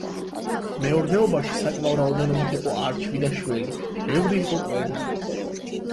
მეურნეობაში საკმაო რაოდენობით იყო არჩვი და შველი, ბევრი იყო კვერნა.